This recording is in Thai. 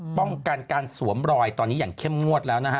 ป้องกันการสวมรอยตอนนี้อย่างเข้มงวดแล้วนะฮะ